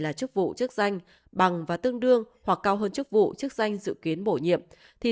là chức vụ chức danh bằng và tương đương hoặc cao hơn chức vụ chức danh dự kiến bổ nhiệm thì